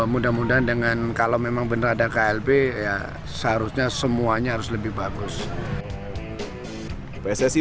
mudah mudahan dengan kalau memang benar ada klb ya seharusnya semuanya harus lebih bagus pssi